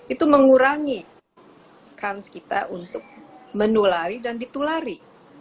itu mengurangi kans kita untuk menulari dan ditulari